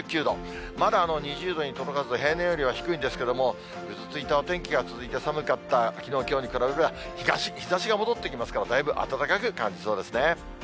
まだ２０度に届かず、平年よりは低いんですけれども、ぐずついたお天気が続いて寒かったきのう、きょうに比べれば、日ざしが戻ってきますから、だいぶ暖かく感じそうですね。